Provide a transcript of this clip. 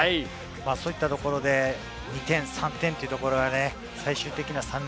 そういったところで、２点、３点というところで最終的な差に